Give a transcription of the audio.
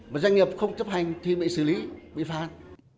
và doanh nghiệp không chấp hành thì mới xử lý bị phát